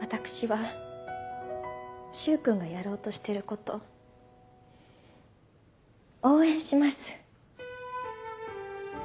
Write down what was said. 私は柊君がやろうとしてること応援します。